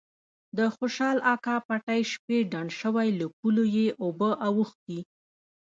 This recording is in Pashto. د خوشال اکا پټی شپې ډنډ شوی له پولو یې اوبه اوختي.